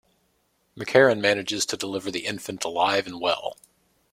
McCarron manages to deliver the infant alive and well.